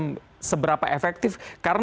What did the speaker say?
bagaimana seberapa efektif